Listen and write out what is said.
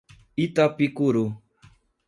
Itapicuru